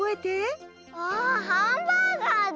わあハンバーガーだ。